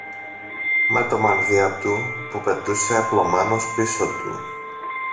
με το μανδύα του που πετούσε απλωμένος πίσω του